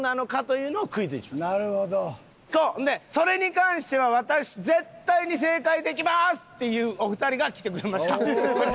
それに関しては私絶対に正解できまーす！っていうお二人が来てくれました。